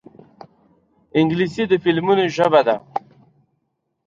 انګلیسي د فلمونو ژبه ده